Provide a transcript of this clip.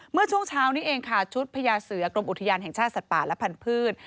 เมื่อช่วงเช้านี้เองค่ะชุดพญาเสือกรมอุทยานแห่งชาติสัตว์ป่าและพันธุ์